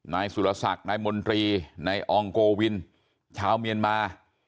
นายสุรศักดิ์นายมนตรีนายอองโกวินชาวเมียนมา